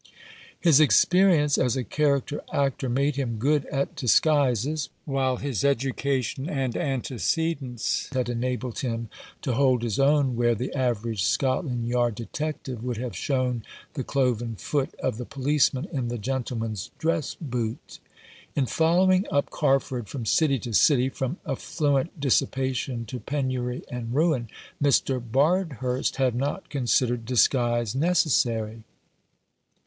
His experience as a character actor made him good at disguises ; while his education and antecedents had enabled him to hold his own where the average Scotland Yard detective would have shown the cloven foot of the policeman in the gentleman's dress boot. In following up Carford from city to city, from affluent dissipation to penury and ruin, Mr. Bard hurst had not considered disguise necessary.